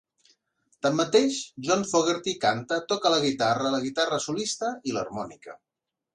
Tanmateix, John Fogerty canta, toca la guitarra, la guitarra solista i l'harmònica.